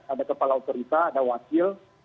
ada kepala otorita ada wakil